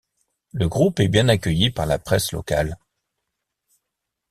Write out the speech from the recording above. Le groupe est bien accueilli par la presse locale.